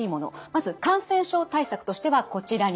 まず感染症対策としてはこちらになります。